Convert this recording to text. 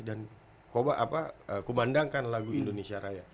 dan kubandangkan lagu indonesia raya